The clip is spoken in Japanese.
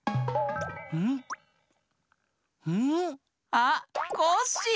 あっコッシー！